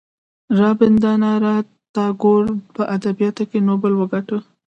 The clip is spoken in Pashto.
رابیندرانات ټاګور په ادبیاتو کې نوبل وګاټه.